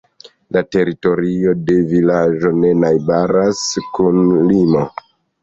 La teritorio de vilaĝo ne najbaras kun limo.